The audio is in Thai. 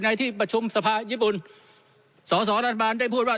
ในที่ประชุมสภาญี่ปุ่นสอสอรัฐบาลได้พูดว่า